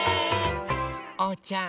おうちゃん。